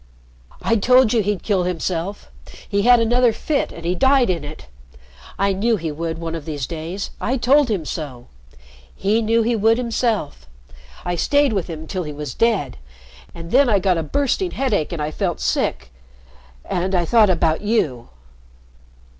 "I told you he'd kill himself. He had another fit and he died in it. I knew he would, one of these days. I told him so. He knew he would himself. I stayed with him till he was dead and then I got a bursting headache and I felt sick and I thought about you."